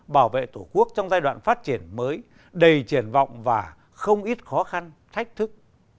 bảo vệ tổ quốc trong giai đoạn phát triển mới đầy triển vọng và không ít khó khăn thách thức